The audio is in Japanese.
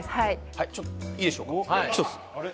はいちょっといいでしょうか１つあれ？